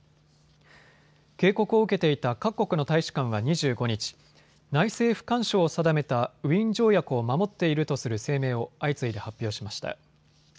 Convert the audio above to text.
警告を受けていた各国の大使館は２５日、内政不干渉を定めたウィーン条約を守っているとする声明を相次いで発表しました。